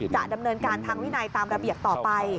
จะดำเนินการทางวินัยตามระเบียบต่อไป